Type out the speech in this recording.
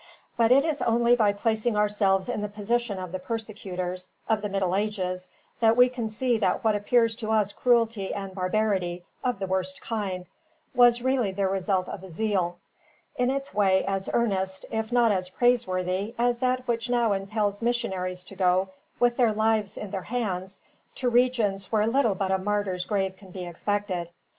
But it is only by placing ourselves in the position of the persecutors, of the middle ages, that we can see that what appears to us cruelty and barbarity, of the worst kind, was really the result of a zeal; in its way as earnest, if not as praiseworthy, as that which now impels missionaries to go, with their lives in their hands, to regions where little but a martyr's grave can be expected.